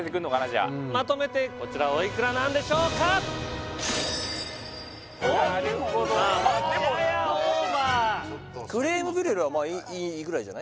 じゃあまとめてこちらおいくらなんでしょうかなるほどややオーバークレームブリュレはまあいいぐらいじゃない？